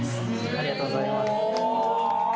ありがとうございます。